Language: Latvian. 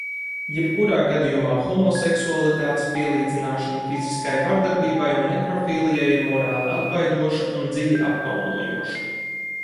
Jebkurā gadījumā homoseksualitātes pielīdzināšana fiziskai vardarbībai un nekrofilijai ir morāli atbaidoša un dziļi apkaunojoša.